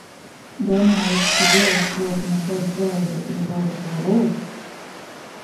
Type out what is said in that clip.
Domājat, ka Dievs būtu man devis vēzi, ja būtu to lūdzis?